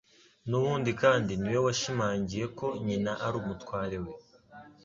N'ubundi kandi, ni we washimangiye ko nyina ari umutware we.